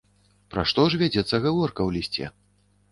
Пра што ж вядзецца гаворка ў лісце?